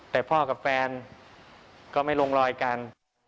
แต่พ่อกับแฟนก็ไม่ลงรอยกัน